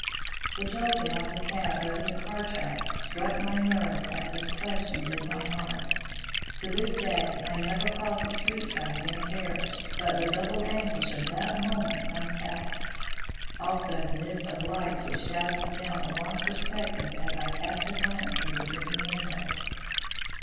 The jolting of the cab over the car tracks struck my nerves as his question did my heart. To this day I never cross a street track in a carriage, but the double anguish of that moment comes back; also the mist of lights which dazzled down the long perspective as I cast a glance through the dripping windows.